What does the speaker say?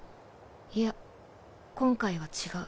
いや今回は違う。